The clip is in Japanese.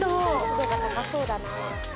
湿度が高そうだな。